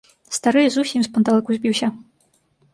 Стары зусім з панталыку збіўся.